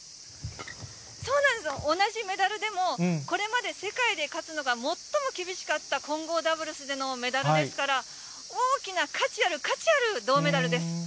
そうなんですよ、同じメダルでも、これまで世界で勝つのが最も厳しかった混合ダブルスでのメダルですから、大きな価値ある、価値ある銅メダルです。